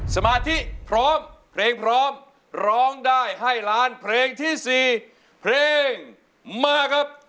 สมาธิพร้อมเพลงพร้อมร้องได้ให้ล้านเพลงที่๔เพลงมาครับ